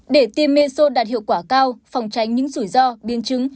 để tiêm meso đạt hiệu quả cao phòng tránh những rủi ro biến chứng